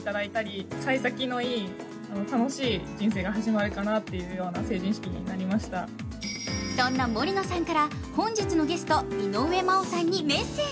するとそんな杜野さんから本日のゲスト、井上真央さんにメッセージ。